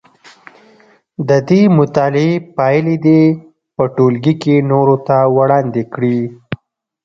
د دې مطالعې پایلې دې په ټولګي کې نورو ته وړاندې کړي.